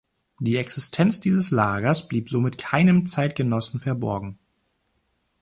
Die Existenz dieses Lagers blieb somit keinem Zeitgenossen verborgen.